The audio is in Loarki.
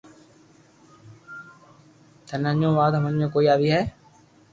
ٿني اجھو وات ھمج ۾ ڪوئي آوي ھي